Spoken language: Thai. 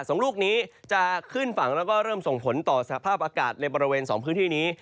สองลูกนี้จะขึ้นฝั่งแล้วก็เริ่มส่งผลต่อสภาพอากาศในบริเวณสองพื้นที่นี้